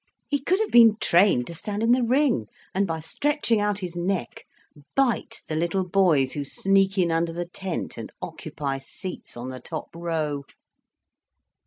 He could have been trained to stand in the ring, and by stretching out his neck bite the little boys who sneak in under the tent and occupy seats on the top row."